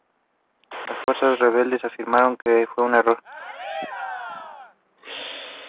Las fuerzas rebeldes afirmaron que fue un error.